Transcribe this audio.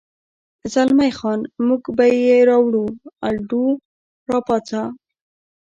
زلمی خان: موږ به یې راوړو، الډو، را پاڅه.